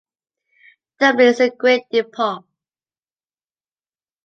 Dublin is the great depot.